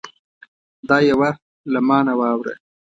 دا یوه له ما نه واوره